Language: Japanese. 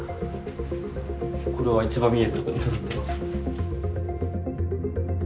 これは一番見えるところに飾ってます。